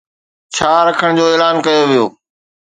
ڇا رکڻ جو اعلان ڪيو ويو؟